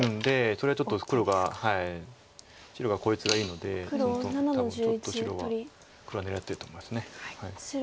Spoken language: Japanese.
それはちょっと白が効率がいいので多分ちょっと黒は狙ってると思います。